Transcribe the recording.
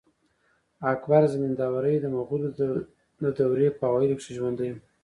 اکبر زمینداوری د مغلو د دوې په اوایلو کښي ژوندی وو.